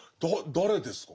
誰ですか？